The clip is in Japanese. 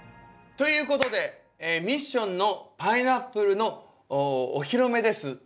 ということでミッションのパイナップルのお披露目です。